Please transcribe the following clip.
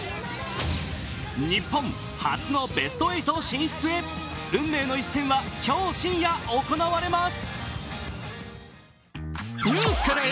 日本、初のベスト８進出へ運命の一戦は今日深夜行われます。